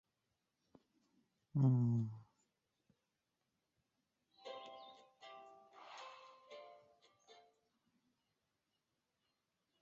阿布鲁佐的蒙特普尔恰诺在橡木桶经过约一年的陈酿。